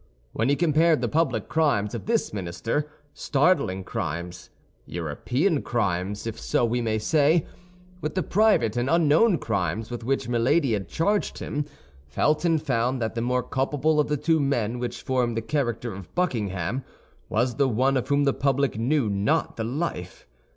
When he compared the public crimes of this minister—startling crimes, European crimes, if so we may say—with the private and unknown crimes with which Milady had charged him, Felton found that the more culpable of the two men which formed the character of Buckingham was the one of whom the public knew not the life.